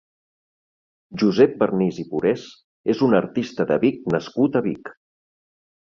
Josep Vernis i Burés és un artista de Vic nascut a Vic.